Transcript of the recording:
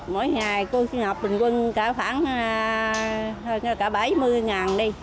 mỗi ngày cô sinh học bình quân cả khoảng bảy mươi đi